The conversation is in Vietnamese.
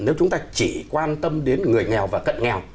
nếu chúng ta chỉ quan tâm đến người nghèo và cận nghèo